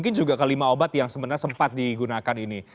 yang kelima obat yang sempat digunakan ini